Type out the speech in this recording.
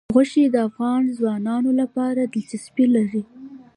غوښې د افغان ځوانانو لپاره دلچسپي لري.